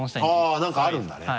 あっ何かあるんだね？